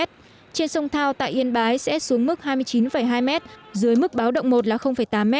trên sông thao tại yên bái sẽ xuống mức hai mươi chín hai m dưới mức báo động một là tám m